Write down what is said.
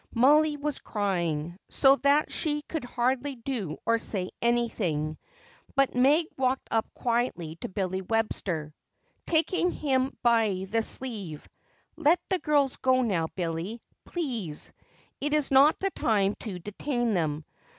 Mollie was crying, so that she could hardly do or say anything, but Meg walked quietly up to Billy Webster, taking him by the sleeve. "Let the girls go now, Billy, please. It is not the time to detain them.